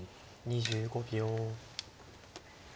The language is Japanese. ２５秒。